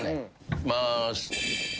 いきます。